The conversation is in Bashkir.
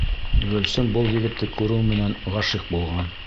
Гөлсөм был егетте күреү менән ғашиҡ булған.